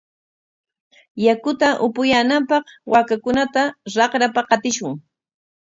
Yakuta apuyaananpaq waakakunata raqrapa qatishun.